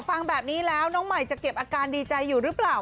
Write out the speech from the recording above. ฟังแบบนี้แล้วน้องใหม่จะเก็บอาการดีใจอยู่หรือเปล่า